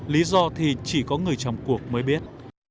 lý do thì chỉ có người trong cuộc mới biết